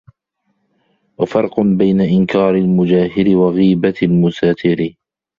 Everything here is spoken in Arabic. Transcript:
وَفَرْقٌ بَيْنَ إنْكَارِ الْمُجَاهِرِ وَغِيبَةِ الْمُسَاتَرِ